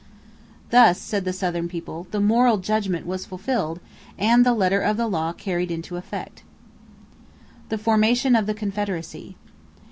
Thus, said the Southern people, the moral judgment was fulfilled and the letter of the law carried into effect. [Illustration: JEFFERSON DAVIS] =The Formation of the Confederacy.